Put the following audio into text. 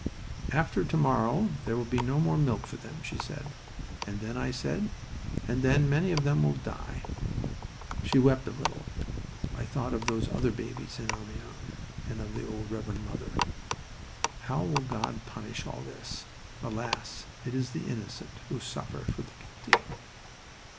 "After to morrow there will be no more milk for them," she said. "And then?" I asked. "And then many of them will die." She wept a little. I thought of those other babies in Amiens, and of the old Reverend Mother. "How will God punish all this? Alas! it is the innocent who suffer for the guilty."